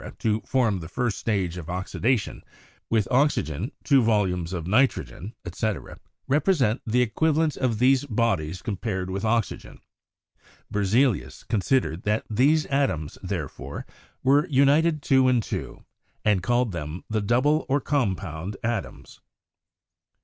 to form the first stage of oxidation with oxygen, two volumes of nitrogen, etc., represent the equiv alents of these bodies compared with oxygen. Berzelius considered that these atoms, therefore, were united two and two, and called them the double or compound atoms.